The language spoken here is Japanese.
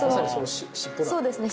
そうですね